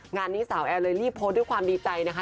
งานนี้สาวแอร์เลยรีบโพสต์ด้วยความดีใจนะคะ